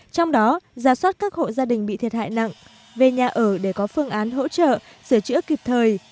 trong đó giả soát các hộ gia đình bị thiệt hại nặng về nhà ở để có phương án hỗ trợ sửa chữa kịp thời